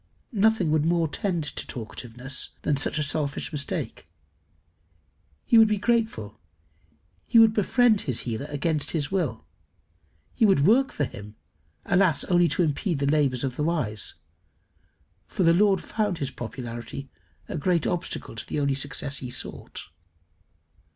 Nothing would more tend to talkativeness than such a selfish mistake. He would be grateful. He would befriend his healer against his will. He would work for him alas! only to impede the labours of the Wise; for the Lord found his popularity a great obstacle to the only success he sought.